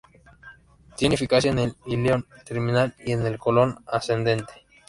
Tiene eficacia en el íleon terminal y el colon ascendente.